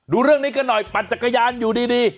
ดูเรื่องนี้กันหน่อยปั่นจักรยานอยู่ดี